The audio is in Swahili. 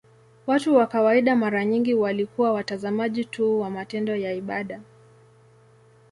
Watu wa kawaida mara nyingi walikuwa watazamaji tu wa matendo ya ibada.